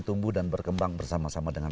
tumbuh dan berkembang bersama sama dengan